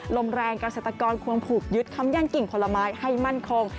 ลมแรงกราเซตตากรควรผูกยึดคำยั่งกิ่งผลมาคให้มั่นคง